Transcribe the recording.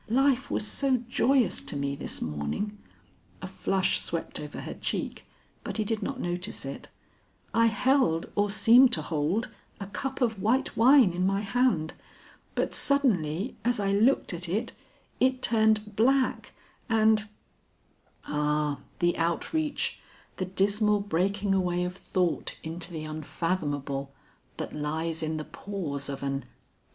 Life was so joyous to me this morning " a flush swept over her cheek but he did not notice it "I held, or seemed to hold, a cup of white wine in my hand, but suddenly as I looked at it, it turned black and " Ah, the outreach, the dismal breaking away of thought into the unfathomable, that lies in the pause of an and!